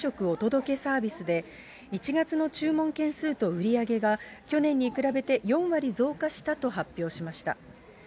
お届けサービスで、１月の注文件数と売り上げが、去年に比べて４割増加したと発表しました。